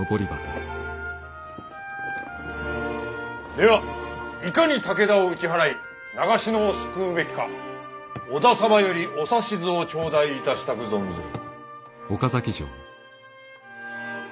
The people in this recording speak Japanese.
ではいかに武田を打ち払い長篠を救うべきか織田様よりお指図を頂戴いたしたく存ずる。